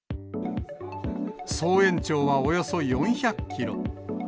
総延長はおよそ４００キロ。